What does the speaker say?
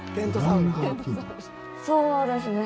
そうですね。